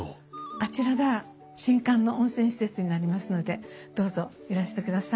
あちらが新館の温泉施設になりますのでどうぞいらしてください。